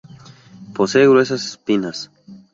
Posee gruesas espinas.